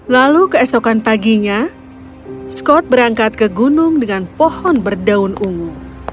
lalu keesokan paginya scott berangkat ke gunung dengan pohon berdaun ungu